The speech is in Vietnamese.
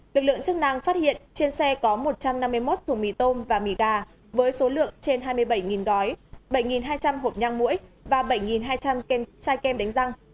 lực lượng chức năng phát hiện trên xe có một trăm năm mươi một thùng mì tôm và mì đà với số lượng trên hai mươi bảy gói bảy hai trăm linh hộp nhang mũi và bảy hai trăm linh chai kem đánh răng